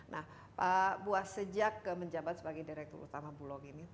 nah pak buas sejak menjabat sebagai direktur utama bulog ini